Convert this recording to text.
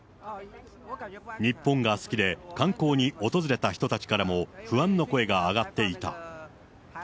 日本が好きで観光に訪れた人たちからも、不安の声が上がっていた。